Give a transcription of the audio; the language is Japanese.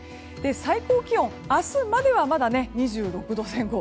最高気温明日までは、まだ２６度前後。